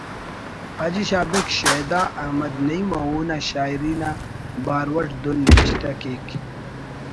حاجی شاہ بیگ شیدا احمد نعیم و اونا شاعری نا بارو اٹ دن نوشتہ کیک: